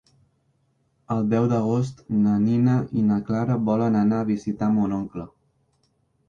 El deu d'agost na Nina i na Clara volen anar a visitar mon oncle.